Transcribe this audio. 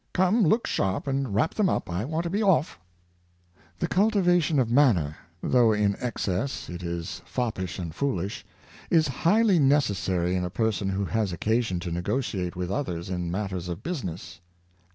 come look sharp and wrap them up; I want to be off !' 39 610 Bear and Forbear, The cultivation of manner — though in excess it is foppish and fooHsh — is highly necessary in a person who has occasion to negotiate with others in matters of business.